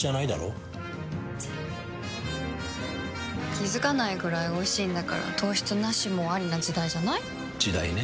気付かないくらいおいしいんだから糖質ナシもアリな時代じゃない？時代ね。